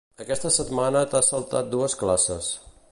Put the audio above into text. Aquesta setmana t'has saltat dues classes.